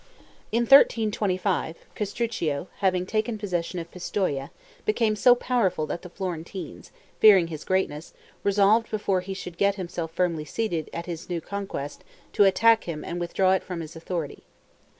In 1325, Castruccio, having taken possession of Pistoia, became so powerful that the Florentines, fearing his greatness, resolved, before he should get himself firmly seated in his new conquest, to attack him and withdraw it from his authority.